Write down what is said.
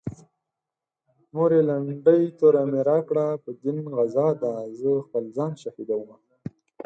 مورې لنډۍ توره مې راکړه په دين غزا ده زه خپل ځان شهيدومه